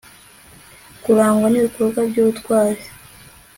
kurangwa n'ibikorwa by'ubutwari